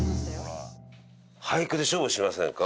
俳句で勝負しませんか？